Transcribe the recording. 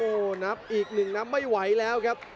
โอ้โหนับอีกหนึ่งนับไม่ไหวแล้วครับ